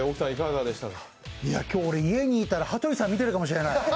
今日、俺、家にいたら羽鳥さん、見てるかもしれない。